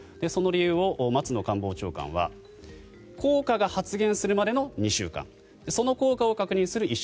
その理由を松野官房長官は効果が発現するまでの２週間その効果を確認する